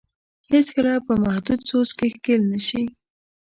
هېڅ کله په محدود سوچ کې ښکېل نه شي.